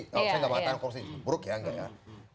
kalau saya nggak mengatakan korupsi buruk ya enggak ya